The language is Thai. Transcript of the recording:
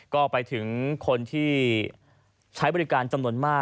ก็ไปถึงคนที่ใช้บริการจำนวนมาก